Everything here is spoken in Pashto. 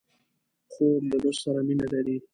خور له لوست سره مینه لري.